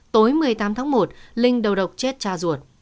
tối một mươi tám tháng một linh đầu độc chết cha ruột